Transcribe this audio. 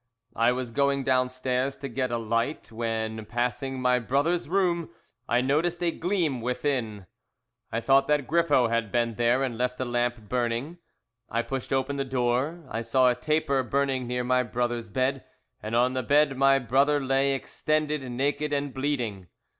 "I was going downstairs to get a light when, passing my brother's room, I noticed a gleam within. "I thought that Griffo had been there and left a lamp burning. "I pushed open the door; I saw a taper burning near my brother's bed, and on the bed my brother lay extended, naked and bleeding.